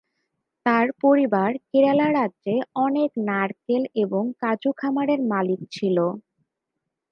তাঁর পরিবার কেরালা রাজ্যে অনেক নারকেল এবং কাজু খামারের মালিক ছিল।